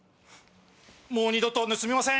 もう二度と盗みません。